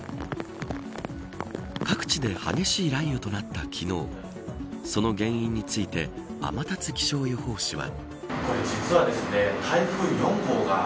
各地で激しい雷雨となった昨日その原因について天達気象予報士は。